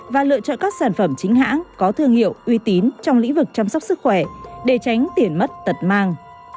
và lựa chọn các sản phẩm chính hãng có thương hiệu uy tín trong lĩnh vực chăm sóc sức khỏe để tránh tiền mất tật mang